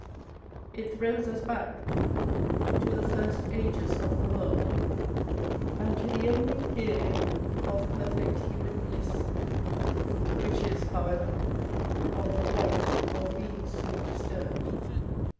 It throws us back to the first ages of the world, and to the only period of perfect human bliss, which is, however, on the point of being soon disturbed.